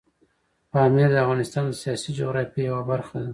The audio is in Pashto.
پامیر د افغانستان د سیاسي جغرافیې یوه برخه ده.